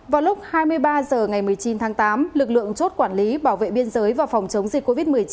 vào lúc hai mươi ba h ngày một mươi chín tháng tám lực lượng chốt quản lý bảo vệ biên giới và phòng chống dịch covid một mươi chín